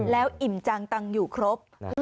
แล้วอิ่มจังตังอยู่ครบ